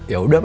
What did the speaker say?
ya sudah pak